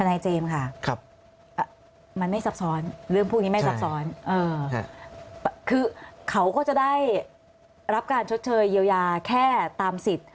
นายเจมส์ค่ะมันไม่ซับซ้อนเรื่องพวกนี้ไม่ซับซ้อนคือเขาก็จะได้รับการชดเชยเยียวยาแค่ตามสิทธิ์